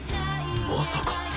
まさか。